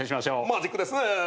マジックですね。